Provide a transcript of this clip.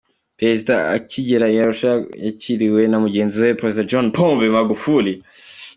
Perezida akigera i Arusha yakiriwe na mugenzi we Perezida John Pombe Magufuli.